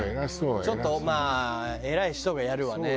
ちょっとまあ偉い人がやるわね。